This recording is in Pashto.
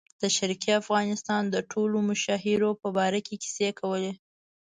د شرقي افغانستان د ټولو مشاهیرو په باره کې کیسې کولې.